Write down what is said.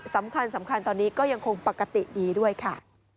สำคัญตอนนี้ก็ยังคงปกติดีด้วยค่ะ